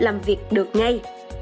làm việc được ngay